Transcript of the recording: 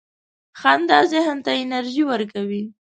• خندا ذهن ته انرژي ورکوي.